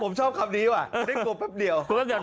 ผมชอบคำนี้ว่ะได้กลัวแป๊บเดียว